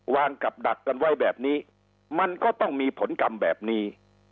วางกับดักกันไว้แบบนี้มันก็ต้องมีผลกรรมแบบนี้